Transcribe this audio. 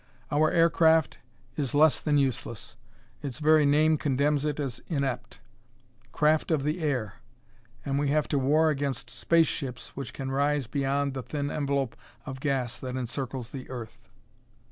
"Our aircraft is less than useless; its very name condemns it as inept. Craft of the air! and we have to war against space ships which can rise beyond the thin envelope of gas that encircles the earth.